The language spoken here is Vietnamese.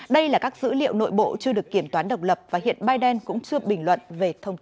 đây là các dữ liệu nội bộ chưa được kiểm toán độc lập và hiện biden cũng chưa bình luận